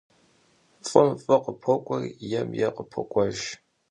F'ım f'ı khıpok'ueri, 'êym 'êy pok'uejj.